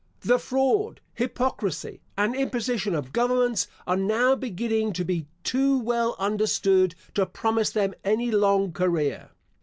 The fraud, hypocrisy, and imposition of governments, are now beginning to be too well understood to promise them any long career.